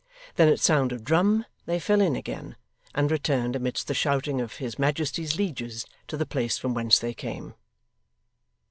Then at sound of drum they fell in again, and returned amidst the shouting of His Majesty's lieges to the place from whence they came.